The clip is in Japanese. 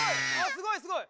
すごいすごい！